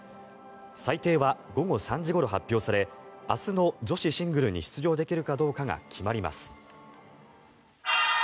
裁定は午後３時ごろ発表され明日の女子シングルに出場できるかどうかが決まります。